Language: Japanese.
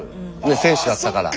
選手だったから。